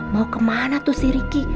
mau kemana tuh si ricky